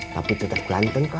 tapi tetap ganteng kak